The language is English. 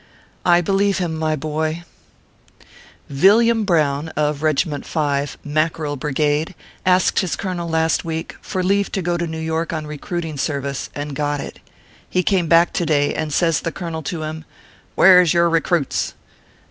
I believe him, my boy ! Villiam Brown, of Kegiment 5, Mackerel Brigade, asked his colonel last week for leave to go to New York on recruiting service, and got it. He came back to day, and says the colonel to him :" Where s your recruits